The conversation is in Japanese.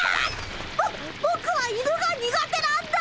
ぼぼくは犬が苦手なんだ！